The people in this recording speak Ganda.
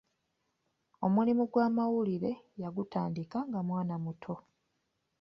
Omulimu gw’amawulire yagutandika nga mwana muto.